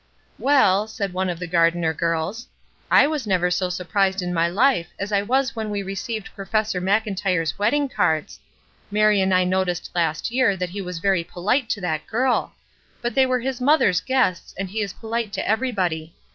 "Well," said one of the Gardner girls, "I was never so surprised in my life as I was when we received Professor Mclntyre's wedding cards. Mary and I noticed last year that he was very polite to that girl; but they were his mother's guests, and he is polite to everybody.